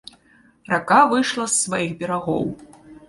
Рака выйшла з сваіх берагоў.